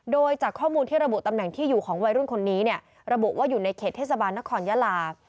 โดยจากข้อมูลที่ระบุตำแหน่งที่อยู่ของวัยรุ่นคนนี้เนี่ยระบุว่าอยู่ในเขตเทศบาลนครยาลา